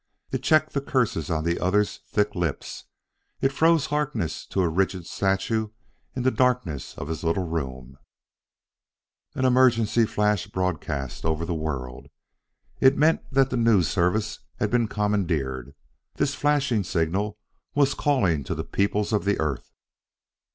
It checked the curses on the other's thick lips; it froze Harkness to a rigid statue in the darkness of his little room. An emergency flash broadcast over the world! It meant that the News Service had been commandeered. This flashing signal was calling to the peoples of the earth!